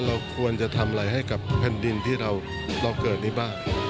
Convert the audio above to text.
เราควรจะทำอะไรให้กับแผ่นดินที่เราเกิดนี้บ้าง